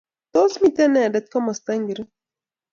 Tos mitei inendet komasta ngiro